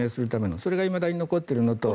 それがいまだに残っているのと。